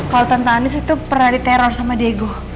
kalau tante andis itu pernah diteror sama diego